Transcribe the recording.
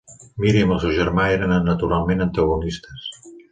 Miriam i el seu germà eren naturalment antagonistes.